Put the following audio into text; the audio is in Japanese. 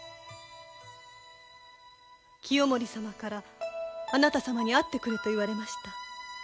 清盛様からあなた様に会ってくれと言われました。